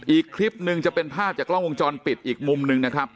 อีกคลิปหนึ่งจะเป็นภาพจากกล้องวงจรปิดอีกมุมหนึ่งนะครับ